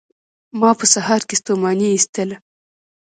ما په سهار کې ستوماني ایستله